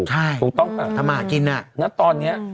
ถูกต้องกันถ้ามากินอ่ะณตอนเนี้ย